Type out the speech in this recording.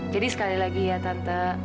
jadi sekali lagi ya tante